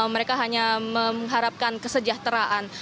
mereka hanya mengharapkan kesejahteraan